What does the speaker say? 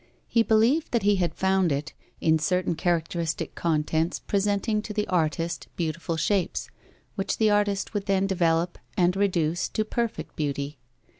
He believed that he had found it, in certain characteristic contents presenting to the artist beautiful shapes, which the artist would then develop and reduce to perfect beauty.